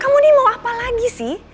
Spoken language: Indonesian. kamu ini mau apa lagi sih